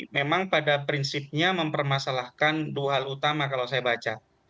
memang pada prinsipnya mempermasalahkan dua hal utama kalau saya baca